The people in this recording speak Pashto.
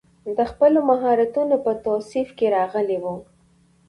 د خپلو مهارتونو پر توصیف کې راغلی و.